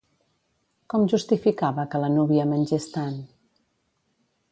Com justificava que la núvia mengés tant?